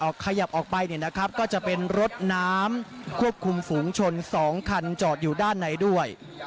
ขยับออกไปเนี่ยนะครับก็จะเป็นรถน้ำควบคุมฝูงชน๒คันจอดอยู่ด้านในด้วย